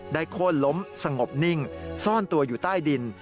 โค้นล้มสงบนิ่งซ่อนตัวอยู่ใต้ดิน